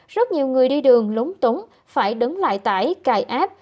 rất nhiều người đi đường lúng túng phải đứng lại tải cài ép